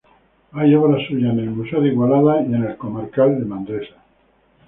Hay obras suyas a los museos de Igualada y el Museo Comarcal de Manresa.